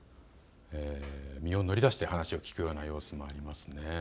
身を乗り出して話を聞くような様子もありますね。